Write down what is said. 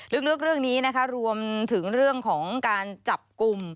ลึกเรื่องนี้นะคะรวมถึงเรื่องของการจับกลุ่ม